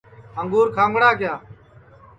انگُور کھاؤنگڑا کِیا